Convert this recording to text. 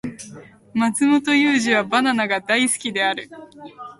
マツモトユウジはバナナが大好きである